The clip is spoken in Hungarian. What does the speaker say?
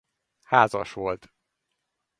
Házas volt.